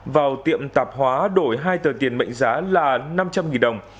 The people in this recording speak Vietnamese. vào tiệm tạp hóa đổi hai tờ tiền mệnh giá là năm trăm linh đồng